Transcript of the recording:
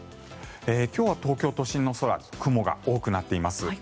今日は東京都心の空雲が多くなっています。